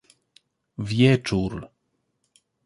Wieczór.